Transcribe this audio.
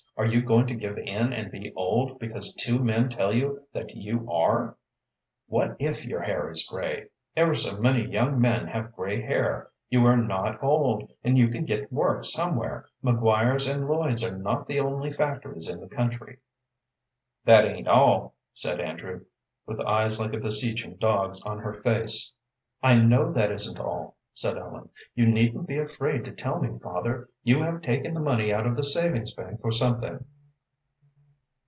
Are you going to give in and be old because two men tell you that you are? What if your hair is gray! Ever so many young men have gray hair. You are not old, and you can get work somewhere. McGuire's and Lloyd's are not the only factories in the country." "That ain't all," said Andrew, with eyes like a beseeching dog's on her face. "I know that isn't all," said Ellen. "You needn't be afraid to tell me, father. You have taken the money out of the savings bank for something."